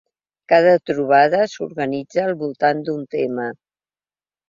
Cada Trobada s’organitza al voltant d’un tema.